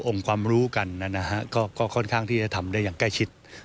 ความรู้กันนะฮะก็ค่อนข้างที่จะทำได้อย่างใกล้ชิด